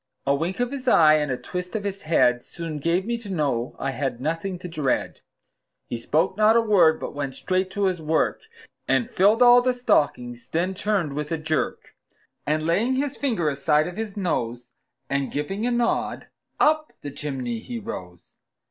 A wink of his eye, and a twist of his head, Soon gave me to know I had nothing to dread. He spoke not a word, but went straight to his work, And filled all the stockings; then turned with a jerk, And laying his finger aside of his nose, And giving a nod, up the chimney he rose.